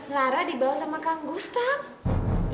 lara dibawa sama kang gustap